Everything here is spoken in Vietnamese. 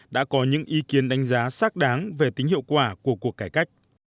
đã có những ý kiến đánh giá xác đáng về tính hiệu quả của cuộc cải cách